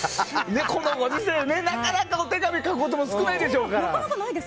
このご時世ねなかなか、お手紙書くことも少ないでしょうから。